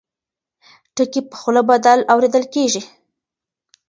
ټکي په خوله بدل اورېدل کېږي.